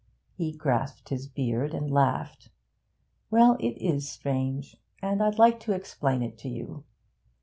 He grasped his beard and laughed. 'Well, it is strange, and I'd like to explain it to you.